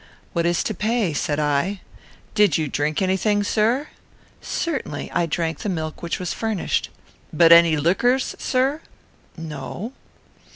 "What is to pay?" said I. "Did you drink any thing, sir?" "Certainly. I drank the milk which was furnished." "But any liquors, sir?" "No."